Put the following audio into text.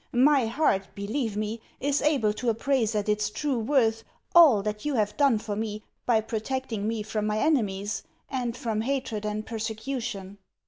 My heart, believe me, is able to appraise at its true worth all that you have done for me by protecting me from my enemies, and from hatred and persecution.